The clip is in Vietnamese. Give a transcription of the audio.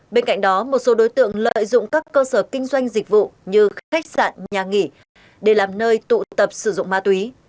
bên cạnh đó một số đối tượng lợi dụng các cơ sở kinh doanh dịch vụ như khách sạn nhà nghỉ để làm nơi tụ tập sử dụng ma túy